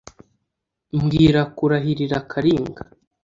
mbwira kurahirira kalinga